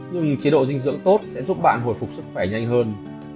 nhưng chế độ dinh dưỡng tốt sẽ giúp bạn hồi phục sức khỏe nhanh hơn